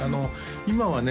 今はね